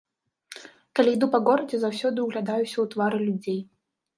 Калі іду па горадзе, заўсёды ўглядаюся ў твары людзей.